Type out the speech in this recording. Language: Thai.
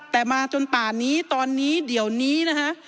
แต่มาจนป่านนี้ตอนนี้เดี๋ยวนี้นะฮะ